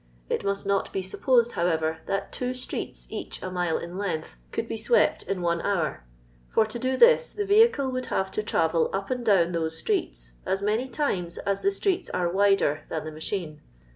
It must not be supposed, however, that two streets sach a mile in length, could be swept in one hour ; for to do this the vehicle would have to travel up and down those streets as many times as the streets are wider than the machine.